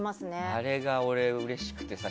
あれが俺、うれしくてさ。